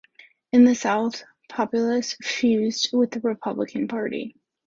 In the South, the Populists fused with the Republican Party.